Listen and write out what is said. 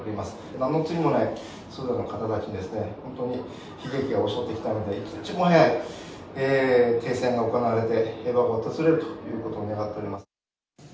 なんの罪もないスーダンの方たちに、本当に悲劇が襲ってきたので、一日も早い停戦が行われて、平和が訪れるということを願っております。